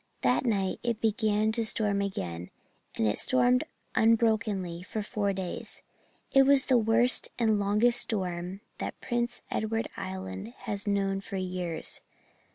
That night it began to storm again, and it stormed unbrokenly for four days. It was the worst and longest storm that Prince Edward Island has known for years.